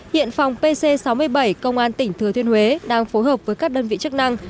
hiện phòng pc sáu mươi bảy công an tỉnh thừa thiên huế đang phối hợp với các đơn vị chức năng